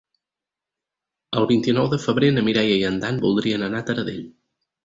El vint-i-nou de febrer na Mireia i en Dan voldrien anar a Taradell.